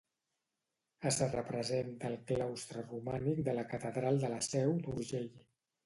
Es representa al claustre romànic de la Catedral de la Seu d'Urgell.